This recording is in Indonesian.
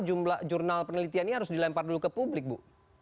jumlah jurnal penelitian ini harus dilempar dulu ke publik bu